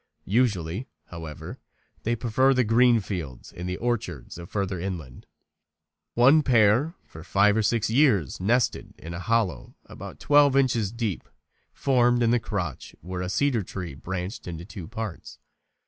Usually, however, they prefer the green fields and orchards of further inland. One pair for five or six years nested in a hollow about twelve inches deep formed in the crotch where a cedar tree branched into two parts.